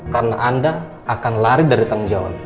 karena anda akan lari dari tanggung jawab